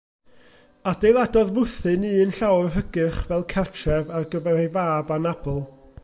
Adeiladodd fwthyn un llawr hygyrch fel cartref ar gyfer ei fab anabl.